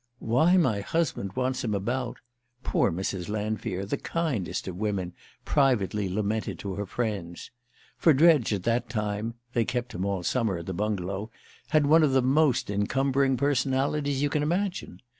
"_ Why_ my husband wants him about " poor Mrs. Lanfear, the kindest of women, privately lamented to her friends; for Dredge, at that time they kept him all summer at the bungalow had one of the most encumbering personalities you can imagine.